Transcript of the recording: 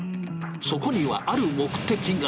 そこにはある目的が。